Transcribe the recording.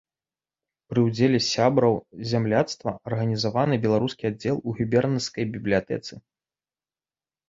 Пры ўдзеле сяброў зямляцтва арганізаваны беларускі аддзел у губернскай бібліятэцы.